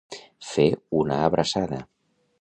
Fer una abraçada.